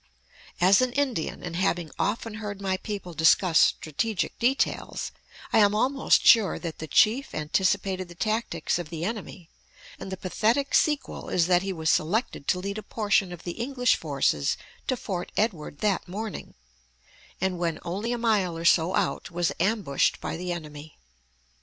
As an Indian, and having often heard my people discuss strategic details, I am almost sure that the chief anticipated the tactics of the enemy; and the pathetic sequel is that he was selected to lead a portion of the English forces to Fort Edward that morning, and when only a mile or so out was ambushed by the enemy.